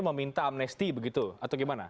meminta amnesti begitu atau gimana